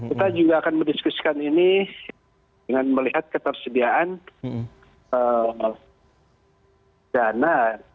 kita juga akan mendiskusikan ini dengan melihat ketersediaan dana